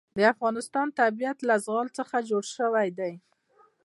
د افغانستان طبیعت له زغال څخه جوړ شوی دی.